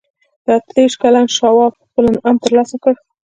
اته دېرش کلن شواب خپل انعام ترلاسه کړ